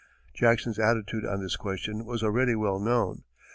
Jackson's attitude on this question was already well known.